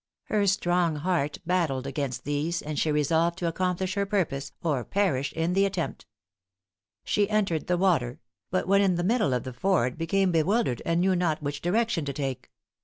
Her strong heart battled against these, and she resolved to accomplish her purpose, or perish in the attempt. She entered the water; but when in the middle of the ford, became bewildered, and knew not which direction to take.